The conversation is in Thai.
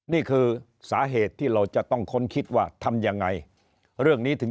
นี่คือสาเหตุที่เราจะต้องค้นคิดว่าทำยังไงเรื่องนี้ถึง